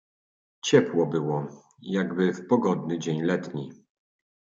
"Ciepło było, jakby w pogodny dzień letni."